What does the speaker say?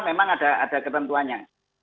memang ada ketentuannya